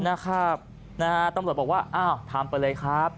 นะครับนะฮะตำรวจบอกว่าอ้าวทำไปเลยครับ